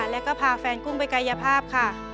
แล้วก็พาแฟนกุ้งไปกายภาพค่ะ